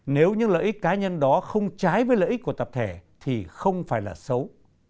nếu những lợi ích cá nhân đó không trái với lợi ích của tập thể thì không phải là xấu